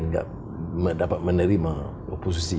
tidak dapat menerima oposisi